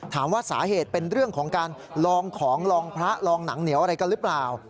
ถามว่าสาเหตุเป็นเรื่องของการลองของลองพระลองหนังเหนียวอะไรกันหรือเปล่า